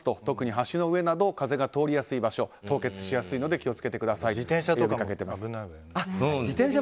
特に橋の上など風が通りやすい場所凍結しやすいので気を付けてくださいと呼びかけています。